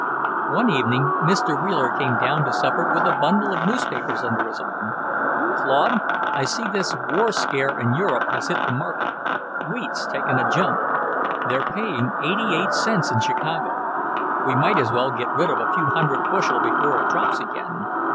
One evening Mr. Wheeler came down to supper with a bundle of newspapers under his arm. "Claude, I see this war scare in Europe has hit the market. Wheat's taken a jump. They're paying eighty eight cents in Chicago. We might as well get rid of a few hundred bushel before it drops again.